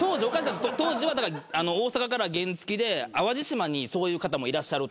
当時は大阪から原付で淡路島にそういう方もいらっしゃる。